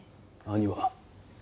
兄は？